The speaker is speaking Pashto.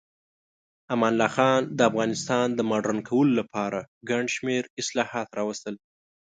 امان الله خان د افغانستان د مډرن کولو لپاره ګڼ شمیر اصلاحات راوستل.